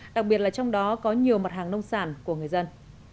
đặc biệt là trong đó có nhiều mặt hàng nông sản của người dân